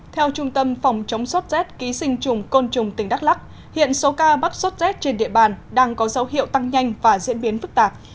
theo trung tâm phòng chống sốt z ký sinh trùng côn trùng tỉnh đắk lắc hiện số ca mắc sốt z trên địa bàn đang có dấu hiệu tăng nhanh và diễn biến phức tạp